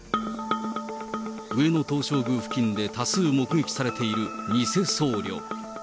上野東照宮付近で多数目撃されている偽僧侶。